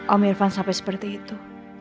om irfan sampai seperti itu